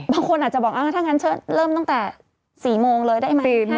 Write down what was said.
บางคนอาจจะบอกถ้างั้นเชิดเริ่มตั้งแต่๔โมงเลยได้ไหม